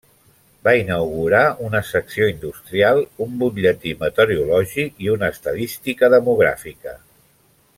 Va inaugurar una secció industrial, un butlletí meteorològic i una estadística demogràfica.